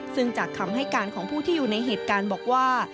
ซึ่งจากคำให้การของผู้ที่อยู่ในเหตุการณ์บอกว่า